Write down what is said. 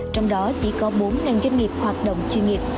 trong đó chỉ có bốn doanh nghiệp hoạt động chuyên nghiệp